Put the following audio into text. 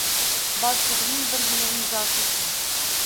Boshliqning birgina imzosi uchun.